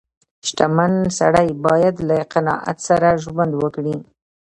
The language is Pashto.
• شتمن سړی باید له قناعت سره ژوند وکړي.